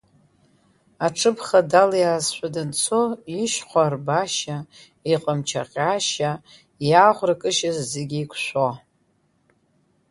Аҽыбӷа далиаазшәа данцо, ишьхәа арбашьа, иҟамч аҟьашьа, иаӷәра кышьа зегь еиқәшәо…